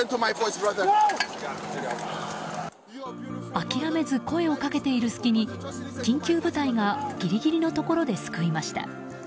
諦めず声をかけている隙に緊急部隊がギリギリのところで救いました。